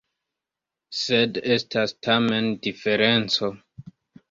Sed estas tamen diferenco.